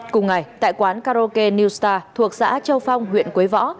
cùng ngày tại quán karoke newstar thuộc xã châu phong huyện quế võ